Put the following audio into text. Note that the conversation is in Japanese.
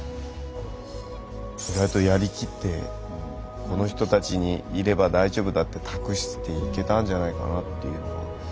意外とやりきってこの人たちにいれば大丈夫だって託していけたんじゃないかなというのは。